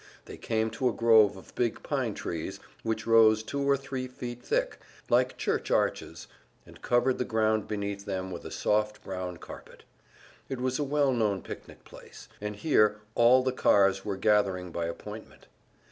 They came to a grove of big pine trees, which rose two or three feet thick, like church arches, and covered the ground beneath them with a soft, brown carpet. It was a well known picnic place, and here all the cars were gathering by appointment.